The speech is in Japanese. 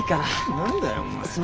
何だよお前よう。